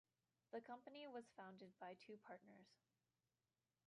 The company was founded by two partners.